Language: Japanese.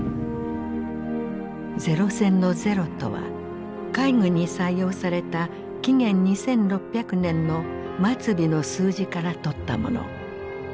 零戦の零とは海軍に採用された紀元２６００年の末尾の数字からとったもの。